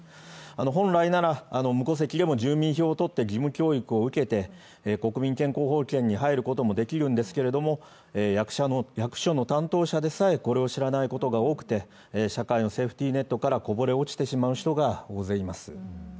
本来なら無戸籍でも住民票を取って義務教育を受けて国民健康保険に入ることもできるんですけれども役所の担当者でさえ、これを知らないことが多くて、社会のセーフティーネットからこぼれ落ちてしまう人が大勢います。